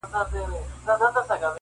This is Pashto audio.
o دوه قدمه فاصله ده ستا تر وصله,